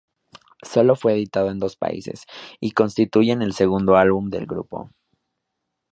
Solo fue editado en estos dos países, y constituyen el segundo álbum del grupo.